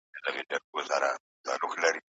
ایا ځايي کروندګر وچه میوه پروسس کوي؟